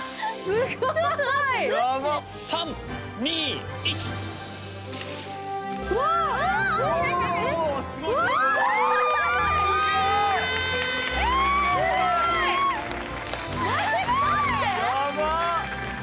すごい。何？